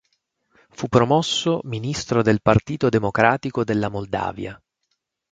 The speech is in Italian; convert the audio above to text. Fu promosso ministro del Partito Democratico della Moldavia.